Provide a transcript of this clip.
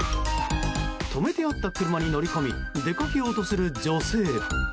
止めてあった車に乗り込み出かけようとする女性。